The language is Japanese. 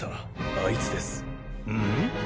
あいつですうん？